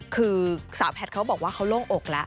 คือสาวแพทย์เขาบอกว่าเขาโล่งอกแล้ว